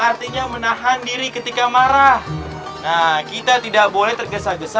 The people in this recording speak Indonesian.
artinya menahan diri ketika marah kita tidak boleh tergesa gesa